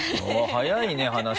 早いね話が。